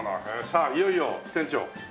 さあいよいよ店長！